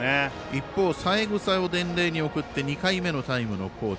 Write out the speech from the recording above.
一方、三枝を伝令に送って２回目のタイムの高知。